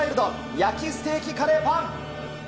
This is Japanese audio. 焼きステーキカレーパン。